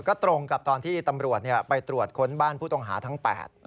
ก็ตรงกับตอนที่ตำรวจไปตรวจค้นบ้านผู้ต้องหาทั้ง๘